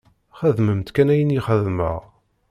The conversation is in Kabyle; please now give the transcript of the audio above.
Xedmemt kan ayen i xedmeɣ!